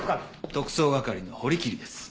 特捜係の堀切です。